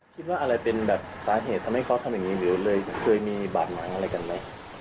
คิดว่าอะไรเป็นแบบสาเหตุทำให้เขาทำอย่างนี้หรือเลยเคยมีบาดหมางอะไรกันไหม